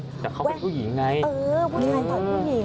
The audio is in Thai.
แต่เขาเป็นผู้หญิงไงเออผู้ชายต่อยผู้หญิง